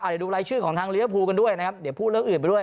เดี๋ยวดูรายชื่อของทางเรียภูกันด้วยนะครับเดี๋ยวพูดเรื่องอื่นไปด้วย